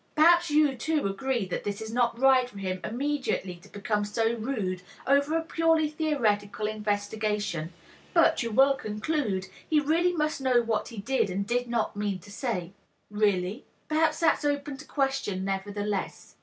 Perhaps you, too, agree that it is not right for him immediately to become so rude over a purely theoretical investigation, but, you will conclude, he really must know what he did and did not mean to say. Really? Perhaps that's open to question nevertheless.